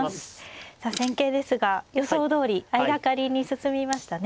さあ戦型ですが予想どおり相掛かりに進みましたね。